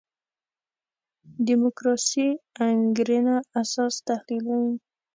دیموکراسي انګېرنه اساس تحلیلوي.